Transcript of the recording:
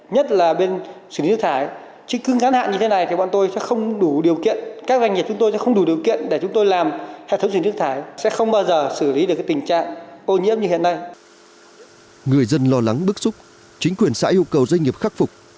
người dân lo lắng bức xúc chính quyền xã yêu cầu doanh nghiệp khắc phục